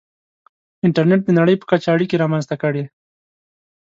• انټرنېټ د نړۍ په کچه اړیکې رامنځته کړې.